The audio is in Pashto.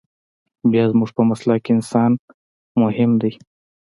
بيا زموږ په مسلک کښې انسان مهم ديه.